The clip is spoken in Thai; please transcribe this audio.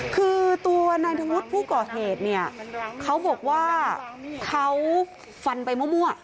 คือตัวนายธวุฒิผู้ก่อเหตุเนี่ยเขาบอกว่าเขาฟันไปมั่ว